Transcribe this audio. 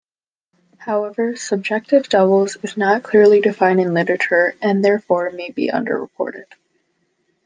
However, subjective doubles is not clearly defined in literature, and therefore, may be under-reported.